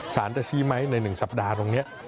จะชี้ไหมใน๑สัปดาห์ตรงนี้